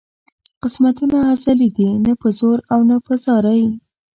قسمتونه ازلي دي نه په زور او نه په زارۍ.